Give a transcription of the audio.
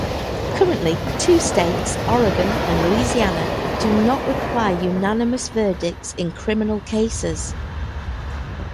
Currently, two states, Oregon and Louisiana, do not require unanimous verdicts in criminal cases.